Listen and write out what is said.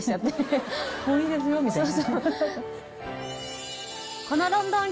もういいですよみたいな。